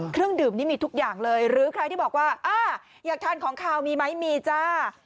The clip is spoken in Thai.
เครื่องดื่มนี่มีทุกอย่างเลยหรือใครที่บอกว่าอ่าอยากทานของขาวมีไหมมีจ้า